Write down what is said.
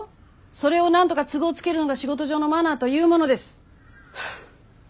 それをなんとか都合つけるのが仕事上のマナーというものです。